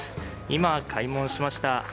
今、開門しました。